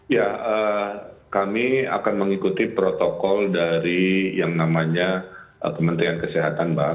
ya kami akan mengikuti protokol dari yang namanya kementerian kesehatan mbak